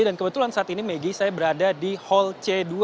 dan kebetulan saat ini begi saya berada di hall c dua